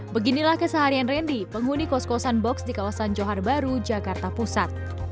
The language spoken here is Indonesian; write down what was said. beginilah keseharian randy penghuni kos kosan box di kawasan johar baru jakarta pusat